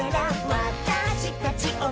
「わたしたちを」